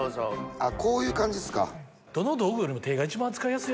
あっこういう感じっすか？